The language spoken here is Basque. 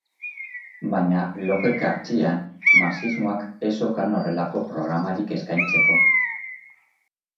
Baina, logika hertsian, marxismoak ez zeukan horrelako programarik eskaintzeko.